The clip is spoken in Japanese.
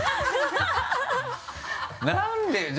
何で？